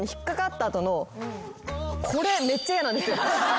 これめっちゃ嫌なんですよ。